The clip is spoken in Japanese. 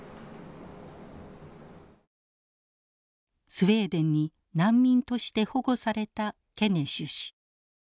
スウェーデンに難民として保護されたケネシュ氏。